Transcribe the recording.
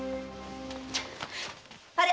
あれ？